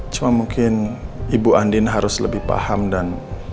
cuma mungkin ibu andin harus lebih paham dan